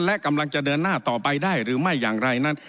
และกำลังจะเดินหน้าต่อไปได้หรือไม่อย่างไรนั้น